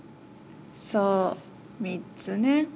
『そう、３つね』